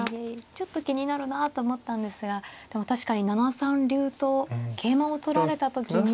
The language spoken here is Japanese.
ちょっと気になるなと思ったんですがでも確かに７三竜と桂馬を取られた時に。